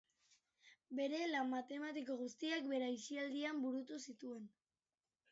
Bere lan matematiko guztiak bere aisialdian burutu zituen.